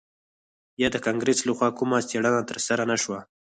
یا د کانګرس لخوا کومه څیړنه ترسره نه شوه